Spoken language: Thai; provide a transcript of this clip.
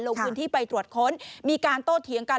ลงพื้นที่ไปตรวจค้นมีการโต้เถียงกัน